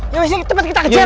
yuk tepat kita kejar